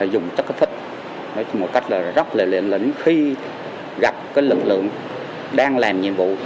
dùng chất thích một cách rất lệnh lĩnh khi gặp lực lượng đang làm nhiệm vụ